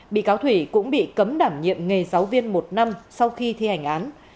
bị cáo thủy cũng bị cấm đảm nhiệm nghề giáo viên một năm sau khi thi hành án